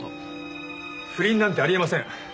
不倫なんてあり得ません。